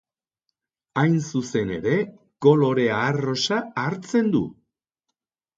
Hain zuzen ere, kolore arrosa hartzen du.